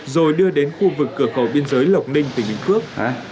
rồi đưa đến khu vực cửa khẩu biên giới lộc ninh tỉnh bình phước